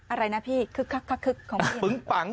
อะไรนะพี่คึกของพี่